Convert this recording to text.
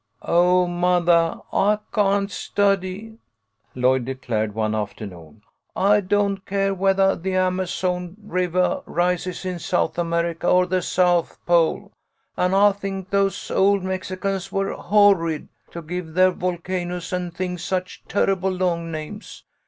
" Oh, mothah, I can't study," Lloyd declared one afternoon. " I don't care whethah the Amazon Rivah rises in South America or the South Pole; an' I think those old Mexicans were horrid to give their volcanoes an' things such terrible long names.